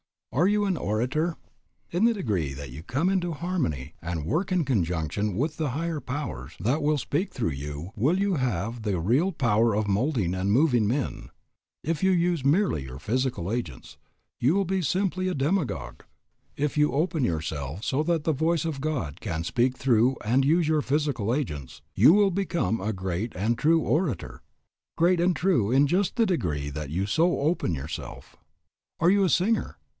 Are you an orator? In the degree that you come into harmony and work in conjunction with the higher powers that will speak through you will you have the real power of moulding and of moving men. If you use merely your physical agents, you will be simply a demagogue. If you open yourself so that the voice of God can speak through and use your physical agents, you will become a great and true orator, great and true in just the degree that you so open yourself. Are you a singer?